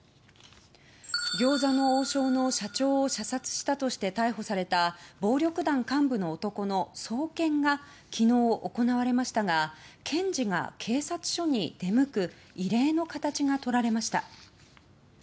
餃子の王将の社長を射殺したとして逮捕された暴力団幹部の男の送検が昨日、行われましたが検事が警察署に出向く異例の形がとられました。